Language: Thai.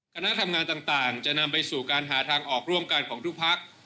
คณะทำงานต่างจะนำไปสู่การหาทางออกร่วมกันของทุกพัก